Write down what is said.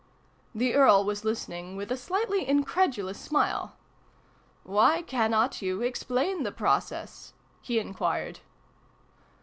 The Earl was listening with a slightly in credulous smile. " Why cannot you explain the process ?" he enquired.